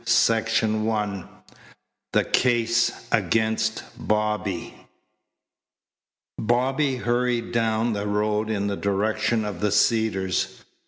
CHAPTER II THE CASE AGAINST BOBBY Bobby hurried down the road in the direction of the Cedars.